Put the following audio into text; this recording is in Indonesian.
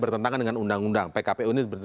bertentangan dengan undang undang pkpu ini